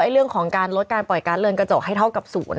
เรื่องของการลดการปล่อยการ์ดเลินกระจกให้เท่ากับศูนย์